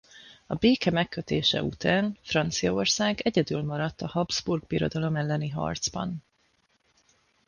A béke megkötése után Franciaország egyedül maradt a Habsburg Birodalom elleni harcban.